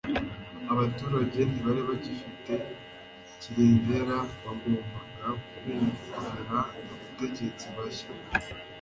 abaturage ntibari bagifite kirengera. bagombaga kumvira abategetsi bashya